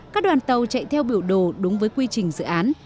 các đoàn tàu chạy theo biểu đồ đúng với quy trình dự án